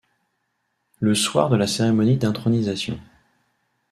Le soir de la cérémonie d'intronisation.